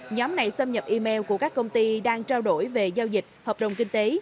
nhóm này xâm nhập email của các công ty đang trao đổi về giao dịch hợp đồng kinh tế